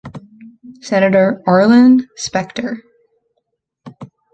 Senator Arlen Specter.